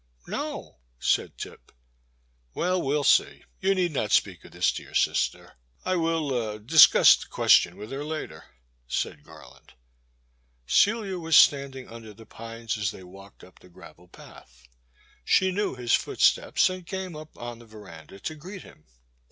No," said Tip. Well — we 'U see — ^you need not speak of this to your sister; I will — er — discuss the question with her later," said Garland. Cdia was standing under the pines as they walked up the gravel path. She knew his foot steps and came up on the verandah to greet him.